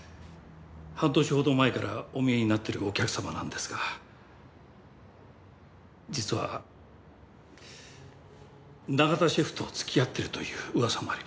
半年ほど前からお見えになってるお客様なんですが実は永田シェフと付き合ってるという噂もありまして。